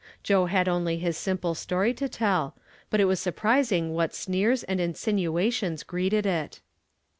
Joe had only his simple story to tell, but it was surprising what sneers and insinuations greeted it.